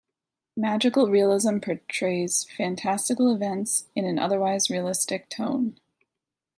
Magical realism portrays fantastical events in an otherwise realistic tone.